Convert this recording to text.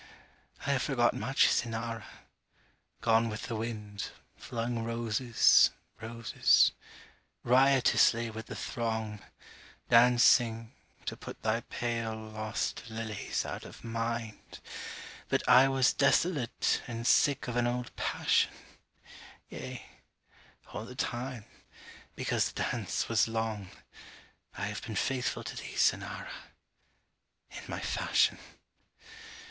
I have forgot much, Cynara! gone with the wind, Flung roses, roses riotously with the throng, Dancing, to put thy pale, lost lilies out of mind; But I was desolate and sick of an old passion, Yea, all the time, because the dance was long: I have been faithful to thee, Cynara! in my fashion.